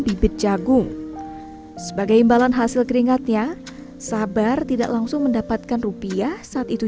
bibit jagung sebagai imbalan hasil keringatnya sabar tidak langsung mendapatkan rupiah saat itu